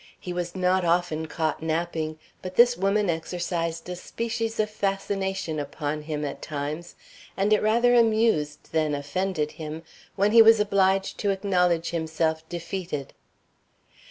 He was not often caught napping, but this woman exercised a species of fascination upon him at times, and it rather amused than offended him, when he was obliged to acknowledge himself defeated.